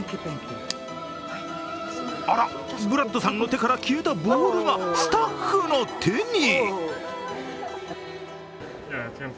あらっ、ブラッドさんの手から消えたボールがスタッフの手に！